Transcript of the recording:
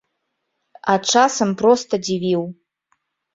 А часам проста дзівіў.